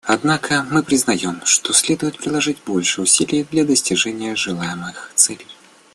Однако мы признаем, что следует приложить больше усилий для достижения желаемых целей.